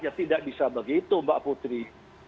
ya tidak bisa begitu mbak putri